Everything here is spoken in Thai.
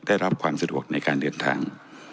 ได้รับความสะดวกในการเดินทาง